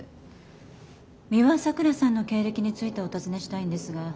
美羽さくらさんの経歴についてお尋ねしたいんですが。